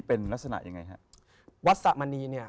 พระพุทธพิบูรณ์ท่านาภิรม